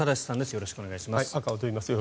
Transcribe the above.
よろしくお願いします。